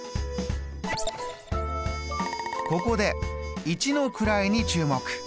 ここで一の位に注目！